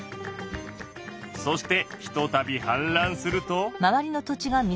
そしてひとたびはんらんすると。